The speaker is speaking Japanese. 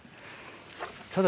ただ。